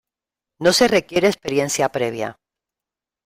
No se requiere experiencia previa.